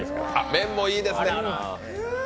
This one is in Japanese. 麺もいいですね。